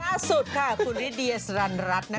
น่าสุดค่ะคุณลิดีย์สรรรัสนะคะ